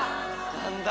何だ⁉